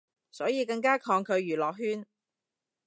所以更加抗拒娛樂圈